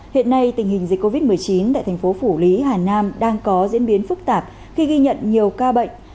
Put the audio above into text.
hiện nay tình hình dịch covid một mươi chín tại thành phố phủ lý hà nam đang có diễn biến phức tạp khi ghi nhận nhiều ca bệnh